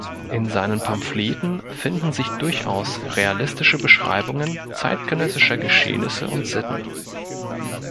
In seinen Pamphleten finden sich durchaus realistische Beschreibungen zeitgenössischer Geschehnisse und Sitten.